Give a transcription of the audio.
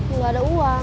gak ada uang